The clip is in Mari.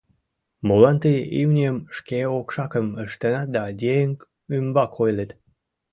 Молан тый имньым шке окшакым ыштенат да еҥ ӱмбак ойлет?